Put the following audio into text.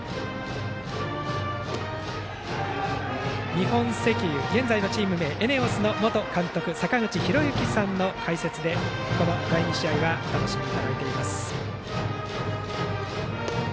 日本石油、現在のチーム名ＥＮＥＯＳの元監督、坂口裕之さんの解説でこの第２試合はお楽しみいただいています。